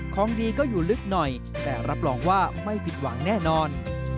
ของดีก็อยู่ลึกหน่อยแต่รับรองว่าไม่ผิดหวังแน่นอน